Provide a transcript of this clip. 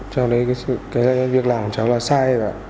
cháu thấy cái việc làm của cháu là sai rồi ạ